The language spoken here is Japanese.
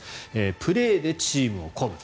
プレーでチームを鼓舞。